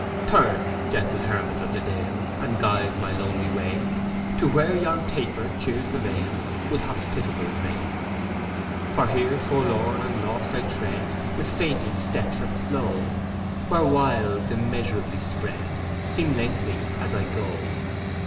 'Turn, gentle hermit of the dale, And guide my lonely way, To where yon taper cheers the vale, With hospitable ray. 'For here forlorn and lost I tread, With fainting steps and slow; Where wilds immeasurably spread, Seem lengthening as I go.